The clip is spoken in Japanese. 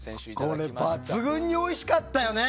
これ抜群においしかったよね！